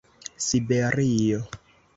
siberio